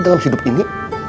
dalam hidup ini